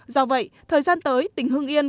do vậy thời gian tới tỉnh hưng yên